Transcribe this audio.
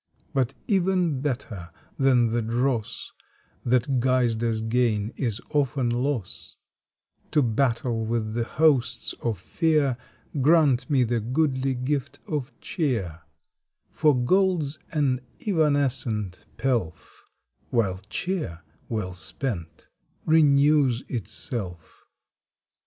But even better than the dross That guised as gain is often loss, To battle with the hosts of fear Grant me the goodly gift of cheer, For gold s an evanescent pelf, While cheer well spent renews itself.